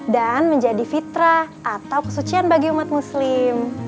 dan menjadi fitrah atau kesucian bagi umat muslim